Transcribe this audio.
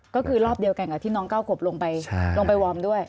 ก็คือรอบเดียวกันกับที่น้องเก้ากบลงไปวอร์มด้วย